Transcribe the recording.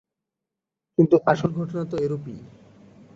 কিন্তু আসল ঘটনা তো এরূপই।